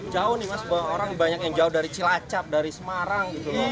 jauh nih mas orang banyak yang jauh dari cilacap dari semarang